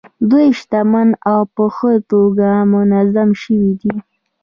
دوی شتمن او په ښه توګه منظم شوي دي.